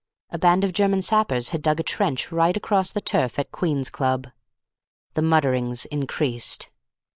A band of German sappers had dug a trench right across the turf at Queen's Club. The mutterings increased.